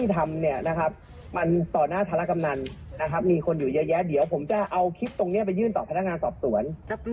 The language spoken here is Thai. ทนายตั้มนี้ไปยื่นต่อพนักงานสอบสวน